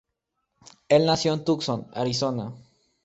El nació en Tucson, Arizona.